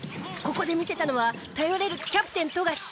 ここで見せたのは頼れるキャプテン富樫。